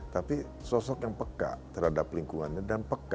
tapi sosok yang peka terhadap lingkungannya dan peka